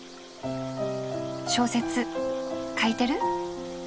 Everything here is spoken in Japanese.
小説書いてる？